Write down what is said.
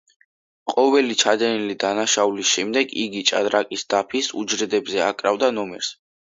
ყოველი ჩადენილი დანაშაულის შემდეგ იგი ჭადრაკის დაფის უჯრედებზე აკრავდა ნომრებს.